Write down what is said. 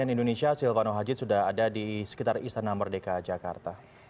cnn indonesia silvano haji sudah ada di sekitar istana merdeka jakarta